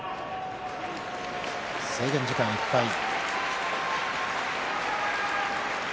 制限時間いっぱいです。